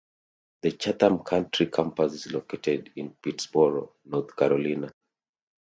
The Chatham County Campus is located in Pittsboro, North Carolina.